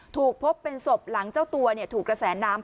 ถูกพบเป็นศพหลังเจ้าตัวเนี่ยถูกเหล่าแสนน้ำ